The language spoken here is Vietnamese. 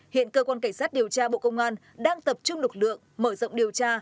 hiện cơ quan cảnh sát điều tra bộ công an đang tập trung lực lượng mở rộng điều tra